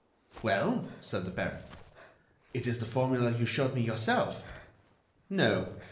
"Well?" said the baron; "it is the formula you showed me yourself." "No.